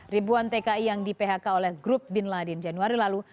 ribuan tki yang di phk oleh grup bin laden januari lalu